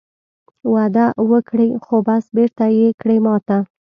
وعده وکړې خو بس بېرته یې کړې ماته